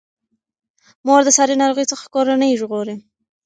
مور د ساري ناروغیو څخه کورنۍ ژغوري.